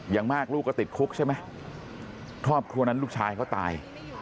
อย่างมากลูกก็ติดคุกใช่ไหมครอบครัวนั้นลูกชายเขาตาย